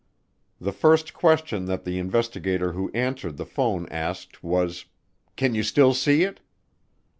The first question that the investigator who answered the phone asked was, "Can you still see it?"